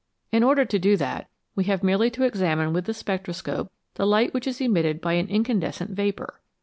In order to do that we have merely to examine with the spectroscope the light which is emitted by an incandescent vapour.